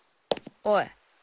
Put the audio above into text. おい。